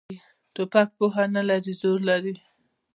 توپک پوهه نه لري، زور لري.